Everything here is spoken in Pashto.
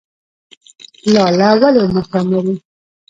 لاله ولې عمر کم لري؟